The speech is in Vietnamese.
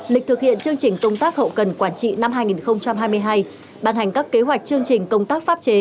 lịch thực hiện chương trình công tác hậu cần quản trị năm hai nghìn hai mươi hai bàn hành các kế hoạch chương trình công tác pháp chế